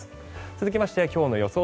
続きまして今日の予想